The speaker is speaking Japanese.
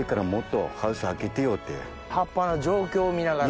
葉っぱの状況を見ながら？